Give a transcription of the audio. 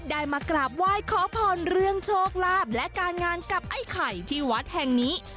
มากราบไหว้ขอพรเรื่องโชคลาภและการงานกับไอ้ไข่ที่วัดแห่งนี้